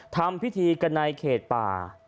ทำพิธีกันในเขตป่า